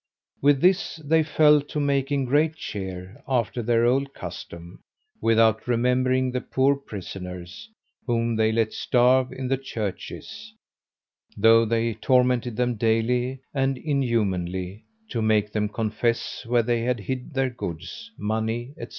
With this they fell to making great cheer, after their old custom, without remembering the poor prisoners, whom they let starve in the churches, though they tormented them daily and inhumanly to make them confess where they had hid their goods, money, &c.